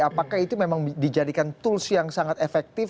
apakah itu memang dijadikan tools yang sangat efektif